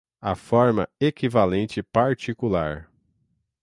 A forma-equivalente particular